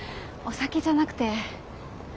酒じゃなくて。